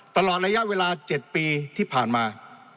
ตลอดระยะเวลา๗ปีที่ผ่านมา